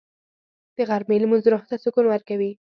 د غرمې لمونځ روح ته سکون ورکوي